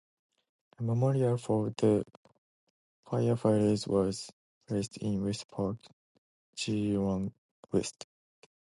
A memorial for the firefighters was placed in West Park, Geelong West.